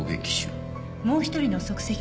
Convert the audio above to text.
もう一人の足跡